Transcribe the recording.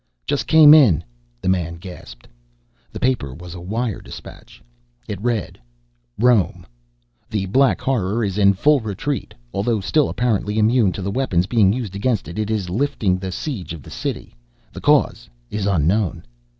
"Just came in," the man gasped. The paper was a wire dispatch. It read: "Rome The Black Horror is in full retreat. Although still apparently immune to the weapons being used against it, it is lifting the siege of this city. The cause is unknown."